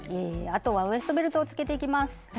あとはウエストベルトをつけていきます。